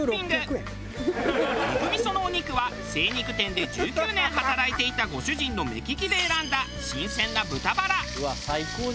肉みそのお肉は精肉店で１９年働いていたご主人の目利きで選んだ新鮮な豚バラ。